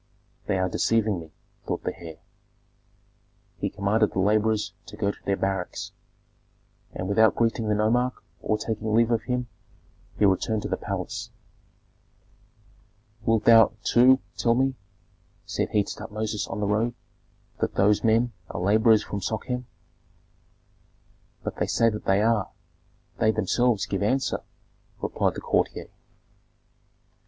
"They are deceiving me," thought the heir. He commanded the laborers to go to their barracks, and, without greeting the nomarch or taking leave of him, he returned to the palace. "Wilt thou, too, tell me," said he to Tutmosis on the road, "that those men are laborers from Sochem?" "But they say that they are, they themselves give answer," replied the courtier.